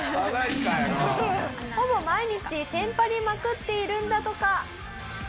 ほぼ毎日テンパりまくっているんだとか。